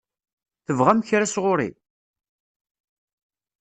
Tebɣam kra sɣur-i?